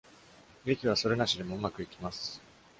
劇はそれなしでもうまくいきます。